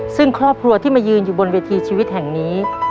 ซึ่งครอบครัวที่มายืนอยู่บนเวทีชีวิตแห่งนี้